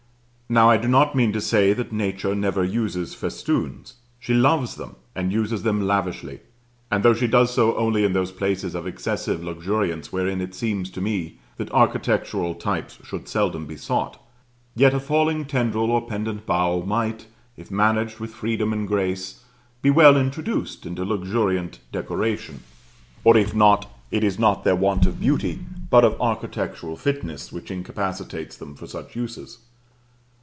Now I do not mean to say that Nature never uses festoons: she loves them, and uses them lavishly; and though she does so only in those places of excessive luxuriance wherein it seems to me that architectural types should seldom be sought, yet a falling tendril or pendent bough might, if managed with freedom and grace, be well introduced into luxuriant decoration (or if not, it is not their want of beauty, but of architectural fitness, which incapacitates them for such uses).